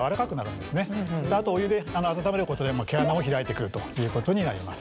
あとお湯であの温めることで毛穴も開いてくるということになります。